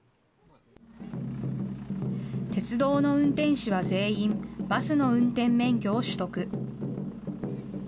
鉄道の運転士は全員、バスの運転免許を取得。